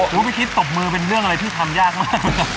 พี่คิดตบมือเป็นเรื่องอะไรที่ทำยากมาก